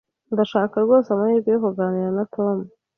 Ndashaka rwose amahirwe yo kuganira na Tom.